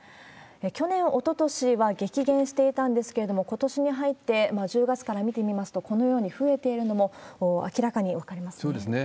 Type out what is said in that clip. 去年、おととしは激減していたんですけれども、ことしに入って、１０月から見てみますと、このように増えているのも明らかに分かりますよね。